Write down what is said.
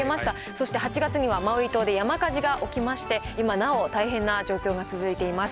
そして８月にはマウイ島で山火事が起きまして、今なお大変な状況が続いています。